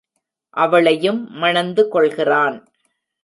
அவளையும் மணந்து கொள்கிறான்.